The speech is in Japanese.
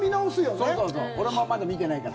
俺もまだ見てないから。